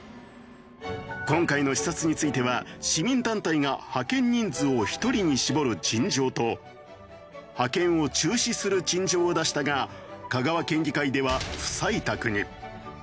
今回の視察については市民団体が派遣人数を１人に絞る陳情と派遣を中止する陳情を出したが香川県議会では不採択に。